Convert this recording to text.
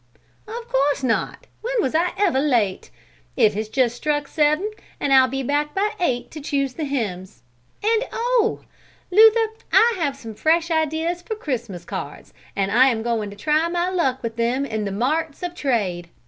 "Of course not. When was I ever late? It has just struck seven and I'll be back by eight to choose the hymns. And oh! Luther, I have some fresh ideas for Christmas cards and I am going to try my luck with them in the marts of trade.